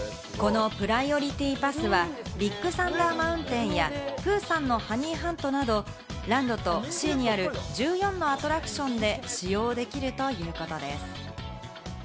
このプライオリティパスは、ビッグサンダー・マウンテンや、プーさんのハニーハントなど、ランドとシーにある、１４のアトラクションで使用できるということです。